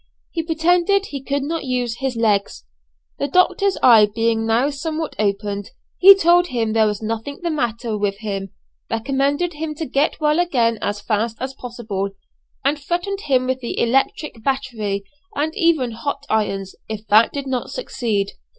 He pretended he could not use his legs. The doctor's eye being now somewhat opened, he told him there was nothing the matter with him, recommended him to get well again as fast as possible, and threatened him with the electric battery, and even hot irons, if that did not succeed.